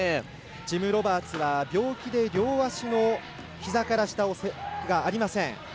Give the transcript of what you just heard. ジム・ロバーツは、病気で両足のひざから下がありません。